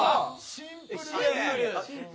シンプル。